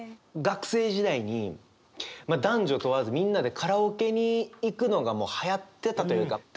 学生時代に男女問わずみんなでカラオケに行くのがはやってたというか。